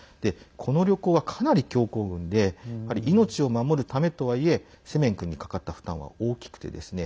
この旅行は、かなり強行軍で命を守るためとはいえセメン君にかかった負担は大きくてですね